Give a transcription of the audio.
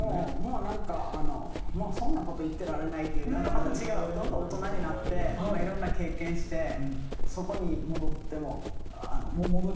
もうなんかもうそんな事言ってられないっていうなんかまた違うどんどん大人になっていろんな経験してそこに戻っても。